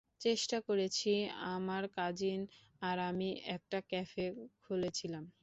চেষ্টা করেছি, আমার কাজিন আর আমি একটা ক্যাফে খুলেছিলাম।